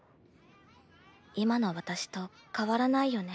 今の私と変わらないよね」。